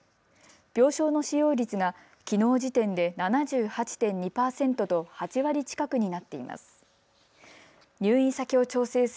病床の使用率がきのう時点で７８．２％と８割近くになっています。